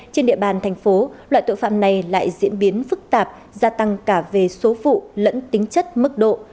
trên địa bàn thành phố loại tội phạm này lại diễn biến phức tạp gia tăng cả về số vụ lẫn tính chất mức độ